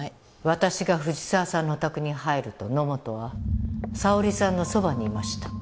私が藤沢さんのお宅に入ると野本はさおりさんのそばにいました。